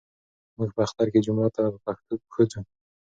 موږ په اختر کې جومات ته په پښو ځو.